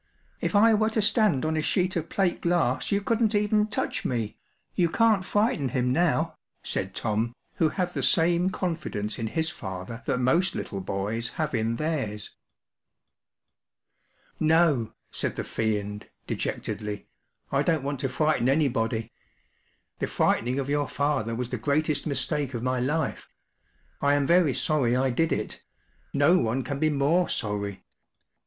If I were to stand on a sheet of plate glass you couldn’t even touch me. You can’t frighten him now,” said Tom, who had the same confidence in his, father that most little boys have in theirs. “ No,” said the Fiend, dejectedly, “ I don’t want to frighten anybody. The frightening of your father was the greatest mistake of my life. I am very sorry I did it; no one can be more sorry.